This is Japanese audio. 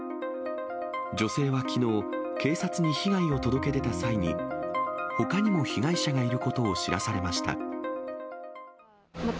女性はきのう、警察に被害を届け出た際に、ほかにも被害者がいることを知らされました。